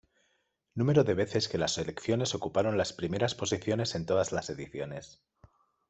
Número de veces que las selecciones ocuparon las primeras posiciones en todas las ediciones.